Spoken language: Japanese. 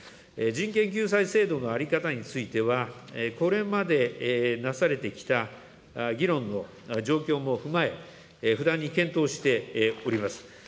人権救済制度の在り方については、これまでなされてきた議論の状況も踏まえ、不断に検討しております。